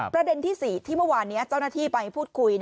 ประเด็นที่๔ที่เมื่อวานนี้เจ้าหน้าที่ไปพูดคุย